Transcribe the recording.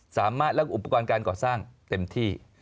และอุปกรณ์การก่อสร้างเต็มที่